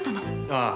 ああ。